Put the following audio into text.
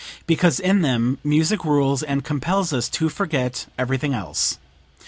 Because in them music rules and compels us to forget everything else.